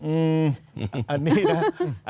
อืมอันนี้นะ